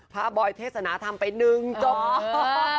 พระบอยเทศนาธรรมไปหนึ่งจบ